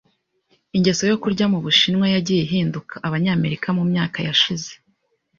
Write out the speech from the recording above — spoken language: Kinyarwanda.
Ingeso yo kurya mubushinwa yagiye ihinduka Abanyamerika mumyaka yashize.